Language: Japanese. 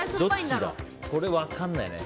これ、分からないね。